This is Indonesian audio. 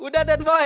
udah den boy